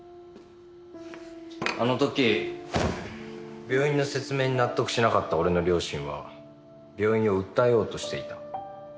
あの時病院の説明に納得しなかった俺の両親は病院を訴えようとしていた。